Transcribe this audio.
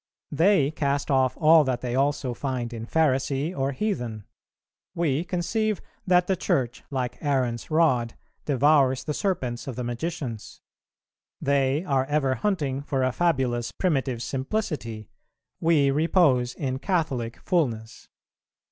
They cast off all that they also find in Pharisee or heathen; we conceive that the Church, like Aaron's rod, devours the serpents of the magicians. They are ever hunting for a fabulous primitive simplicity; we repose in Catholic fulness.